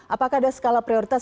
apakah ada skala prioritas